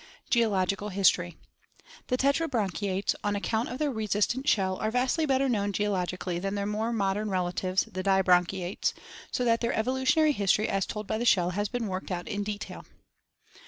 Geological History.— The tetrabranchiates, on account of their resistant shell, are vastly better known geologically than their more modern rela tives, the dibranchiates, so that their evolutionary history as told by the shell has been worked out in detail.